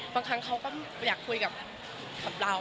บางครั้งเขาก็อยากคุยกับเรา